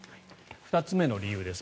２つ目の理由です。